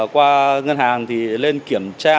qua ngân hàng thì lên kiểm tra